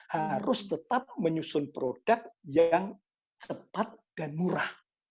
harus tetap menyusun produk yang cepat dan murah